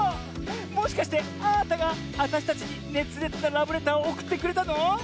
もしかしてあなたがあたしたちにねつれつなラブレターをおくってくれたの？